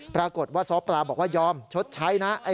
ปรากฏว่าซ้อปลาบอกว่ายอมชดใช้นะ